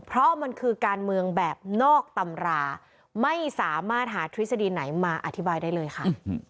เพราะมันคือการเมืองแบบนอกตำราไม่สามารถหาทฤษฎีไหนมาอธิบายได้เลยค่ะ